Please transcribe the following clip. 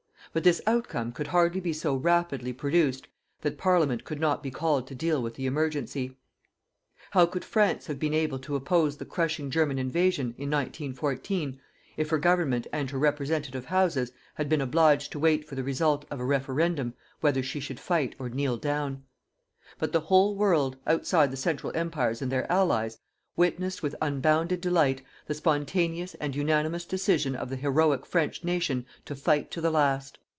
But this outcome could hardly be so rapidly produced that Parliament could not be called to deal with the emergency. How could France have been able to oppose the crushing German invasion, in 1914, if her Government and her representative Houses had been obliged to wait for the result of a "Referendum" whether she would fight or kneel down? But the whole world outside the Central Empires and their Allies witnessed with unbounded delight the spontaneous and unanimous decision of the heroic French nation to fight to the last.